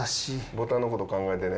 ボタンの事考えてね。